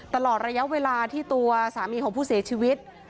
ตลอดระยะเวลาที่ตัวสามีของผู้เสียชีวิต